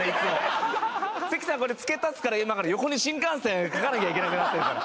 関さんがこれ付け足すから今から横に新幹線描かなきゃいけなくなってるから。